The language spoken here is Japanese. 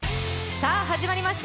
さあ始まりました！